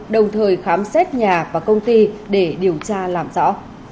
đồng thời khám xét nhà và công ty để điều tra làm rõ